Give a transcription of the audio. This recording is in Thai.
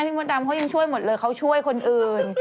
มดดำเขายังช่วยหมดเลยเขาช่วยคนอื่น